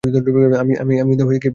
আমি কীভাবে চুতিয়া ডাক্তার হলাম?